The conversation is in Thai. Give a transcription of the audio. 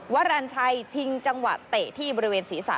วรรณชัยชิงจังหวะเตะที่บริเวณศีรษะ